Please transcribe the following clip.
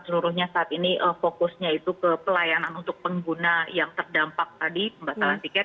seluruhnya saat ini fokusnya itu ke pelayanan untuk pengguna yang terdampak tadi pembatalan tiket